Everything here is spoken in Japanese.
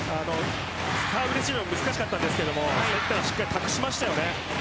サーブレシーブ難しかったんですけどしっかり隠しましたよね。